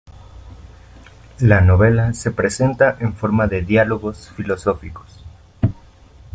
La novela se presenta en forma de diálogos filosóficos.